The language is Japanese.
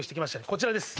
こちらです